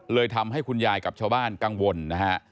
เลยทำให้คุณยายกับชาวบ้านกังวลนะฮะ